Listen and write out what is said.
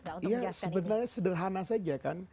sebenarnya sederhana saja kan